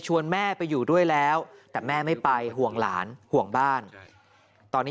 แม่ไปอยู่ด้วยแล้วแต่แม่ไม่ไปห่วงหลานห่วงบ้านตอนนี้